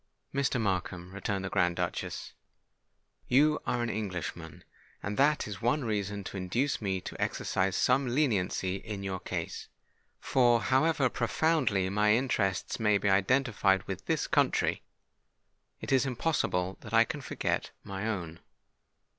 "Mr. Markham," returned the Grand Duchess, "you are an Englishman—and that is one reason to induce me to exercise some leniency in your case; for however profoundly my interests may be identified with this country, it is impossible that I can forget my own.